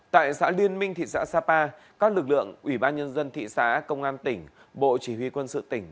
tại xã liên minh thị xã sapa các lực lượng ủy ban nhân dân thị xã công an tỉnh bộ chỉ huy quân sự tỉnh